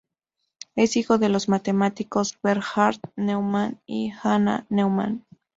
Es hijo de los matemáticos Bernhard Neumann y Hanna Neumann.